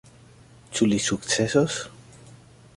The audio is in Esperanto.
Ĉu li sukcesos?